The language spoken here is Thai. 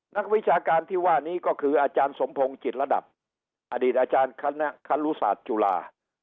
นักวิชาการที่ว่านี้ก็คืออาจารย์สมพงศ์จิตระดับอดีตอาจารย์คณะครุศาสตร์จุฬา